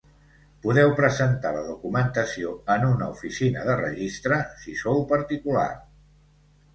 Podeu presentar la documentació en una oficina de registre, si sou particular.